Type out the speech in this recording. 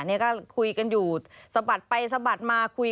นี่ก็คุยกันอยู่สะบัดไปสะบัดมาคุย